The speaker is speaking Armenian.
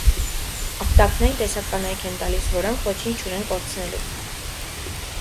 - Ապտակն այն տեսակ կանայք են տալիս՝ որոնք ոչինչ չունեն կորցնելու: